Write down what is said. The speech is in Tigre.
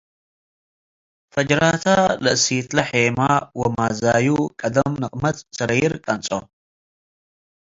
ፈጅራተ ለእሲትለ ሔመ ወማዛዩ ቀደም ንቅመት ሰረይር ቀንጾ ።